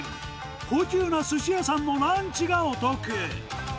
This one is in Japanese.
高級なすし屋さんのランチがお得。